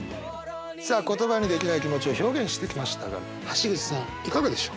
さあ言葉にできない気持ちを表現してきましたが橋口さんいかがでしょう？